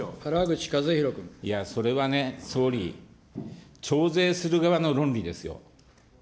いや、それはね、総理、徴税する側の論理ですよ。